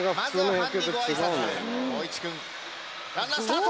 「ランナースタート！」